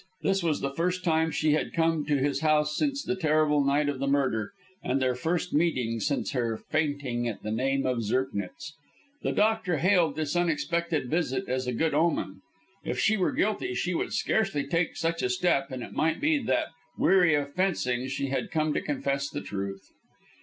This was the first time she had come to his house since the terrible night of the murder, and their first meeting since her fainting at the name of Zirknitz. The doctor hailed this unexpected visit as a good omen. If she were guilty, she would scarcely take such a step; and it might be that, weary of fencing, she had come to confess the truth.